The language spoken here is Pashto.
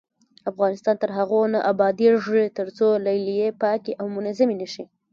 افغانستان تر هغو نه ابادیږي، ترڅو لیلیې پاکې او منظمې نشي.